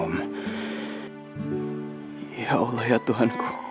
nya allah tuhan